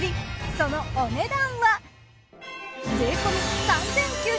そのお値段は。